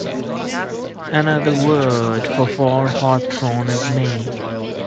Another word for for hawthorn is may.